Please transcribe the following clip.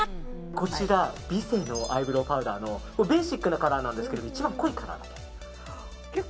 こちら、ヴィセのアイブローパウダーのベーシックなカラーなんですけど一番濃いカラー。